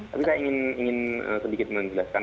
tapi saya ingin sedikit menjelaskan